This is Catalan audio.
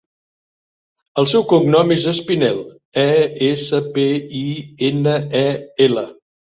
El seu cognom és Espinel: e, essa, pe, i, ena, e, ela.